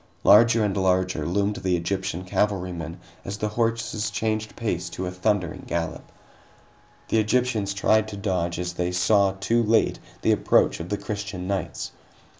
Larger and larger loomed the Egyptian cavalrymen as the horses changed pace to a thundering gallop. The Egyptians tried to dodge, as they saw, too late, the approach of the Christian knights.